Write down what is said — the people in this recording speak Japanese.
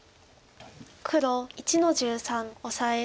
黒１の十三オサエ。